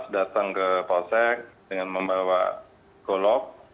datang ke polsek dengan membawa golok